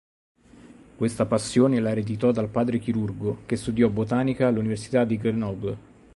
Questa passione la ereditò dal padre chirurgo che studiò botanica all'Università di Grenoble.